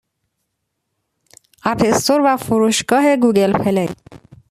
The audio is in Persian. اپ استور و فروشگاه گوگل پلی